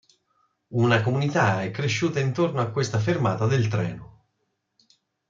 Una comunità è cresciuta intorno a questa fermata del treno.